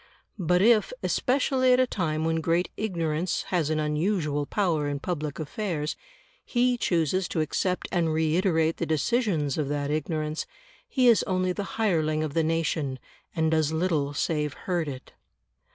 But if, especially at a time when great ignorance has an unusual power in public affairs, he chooses to accept and reiterate the decisions of that ignorance, he is only the hireling of the nation, and does little save hurt it.